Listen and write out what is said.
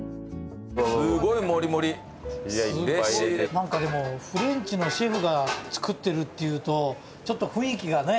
何かでもフレンチのシェフが作ってるっていうとちょっと雰囲気がね。